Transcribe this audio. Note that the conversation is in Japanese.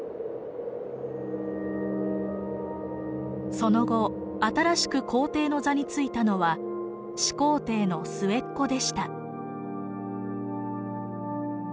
その後新しく皇帝の座に就いたのは始皇帝の末っ子でした。